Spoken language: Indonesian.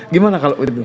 gimana kalau itu